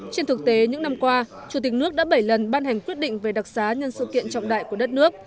trên thực tế những năm qua chủ tịch nước đã bảy lần ban hành quyết định về đặc xá nhân sự kiện trọng đại của đất nước